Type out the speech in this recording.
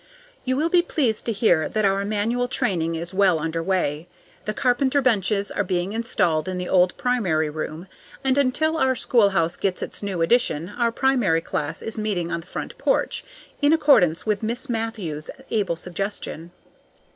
You will be pleased to hear that our manual training is well under way. The carpenter benches are being installed in the old primary room, and until our schoolhouse gets its new addition, our primary class is meeting on the front porch, in accordance with Miss Matthew's able suggestion.